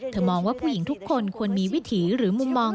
มองว่าผู้หญิงทุกคนควรมีวิถีหรือมุมมอง